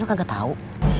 lo kagak tau